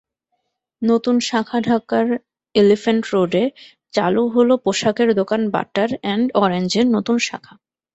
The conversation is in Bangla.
নতুন শাখাঢাকার এলিফ্যান্ট রোডে চালু হলো পোশাকের দোকান বাটার অ্যান্ড অরেঞ্জের নতুন শাখা।